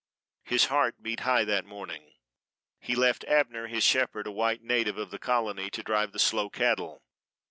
His heart beat high that morning. He left Abner, his shepherd, a white native of the colony, to drive the slow cattle.